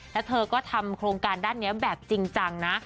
แล้วเธอก็ทำโครงการด้านนี้แบบจริงจังนะ